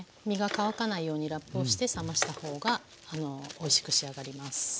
身が乾かないようにラップをして冷ました方がおいしく仕上がります。